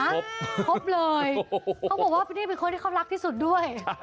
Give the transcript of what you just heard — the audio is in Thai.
เขาบอกว่านี่เค้าเป็นคนที่เขารักที่สุดด้วย